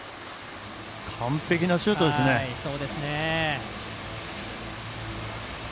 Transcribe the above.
完璧なシュートですね。